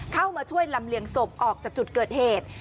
เข้ามาช่วยลำเลียงศพออกจากจุดเกิดเหตุ